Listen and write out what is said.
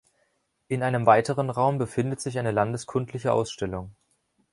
In einem weiteren Raum befindet sich eine landeskundliche Ausstellung.